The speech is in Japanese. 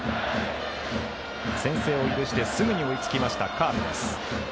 先制を許してすぐに追いつきました、カープ。